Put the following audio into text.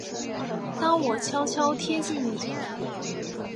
当我悄悄贴近你